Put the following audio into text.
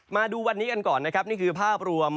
มาดูวันนี้กันก่อนนะครับนี่คือภาพรวม